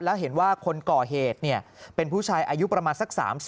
แล้วเห็นว่าคนก่อเหตุเป็นผู้ชายอายุประมาณสัก๓๐